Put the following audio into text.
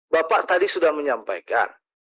bapak tadi sudah menyampaikan